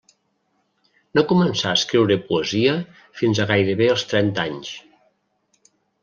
No començà a escriure poesia fins a gairebé els trenta anys.